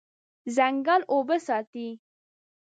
ځنګل اوبه ساتي.